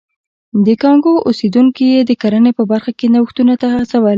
د کانګو اوسېدونکي یې د کرنې په برخه کې نوښتونو ته وهڅول.